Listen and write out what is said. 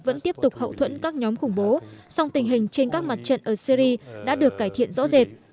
vẫn tiếp tục hậu thuẫn các nhóm khủng bố song tình hình trên các mặt trận ở syri đã được cải thiện rõ rệt